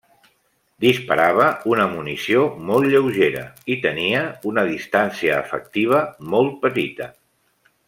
Disparava una munició molt lleugera i tenia una distància efectiva molt petita.